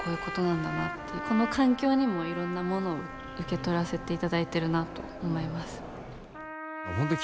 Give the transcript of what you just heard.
この環境にもいろんなものを受け取らせていただいてるなと思います。